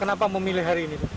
kenapa memilih hari ini